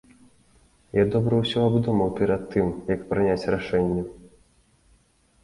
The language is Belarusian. Я добра ўсё абдумаў перад тым, як прыняць рашэнне.